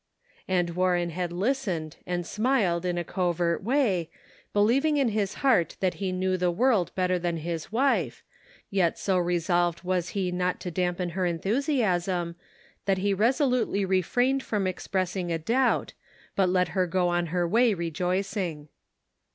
And Warren had listened, and smiled in a covert way, believing in his heart that he knew the world better than his wife, yet so resolved was he not to dampen her enthusiasm, that he resolutely refrained from expressing a doubt, but let her go on her way rejoicing.